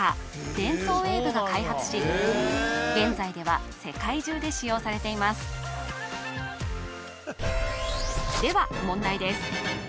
デンソーウェーブが開発し現在では世界中で使用されていますでは問題です